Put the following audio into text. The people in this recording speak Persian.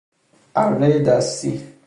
ارهی دستی